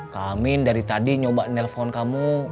kamin dari tadi nyoba telepon kamu